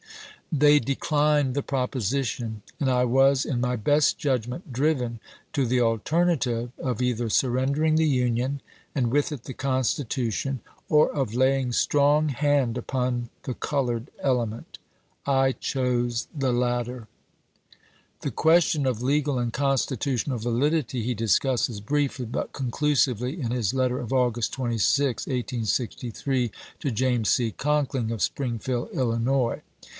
They declined the proposition, and I was, in my best judgment, driven to the alternative of either surrendering the Union, and with it the Constitution, or of laying strong hand upon the colored element. I chose the latter. Chap. XIX. Lincoln to Hodges, April 4, 1864. The question of legal and constitutional validity he discusses briefly, but conclusively, in his letter of August 26, 1863, to James C. Conkling of Springfield, Illinois.